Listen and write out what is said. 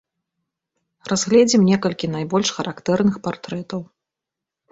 Разгледзім некалькі найбольш характэрных партрэтаў.